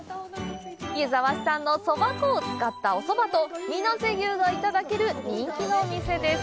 湯沢市産のそば粉を使ったそばと、みなせ牛がいただける人気のお店です。